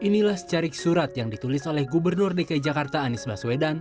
inilah secarik surat yang ditulis oleh gubernur dki jakarta anies baswedan